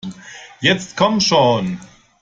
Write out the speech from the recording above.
Jetzt komm schon!